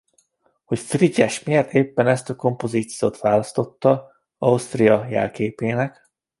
Hogy Frigyes miért éppen ezt a kompozíciót választotta Ausztria jelképének?